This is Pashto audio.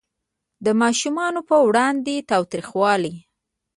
د ماشومانو په وړاندې تاوتریخوالی